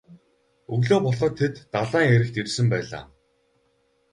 Өглөө болоход тэд далайн эрэгт ирсэн байлаа.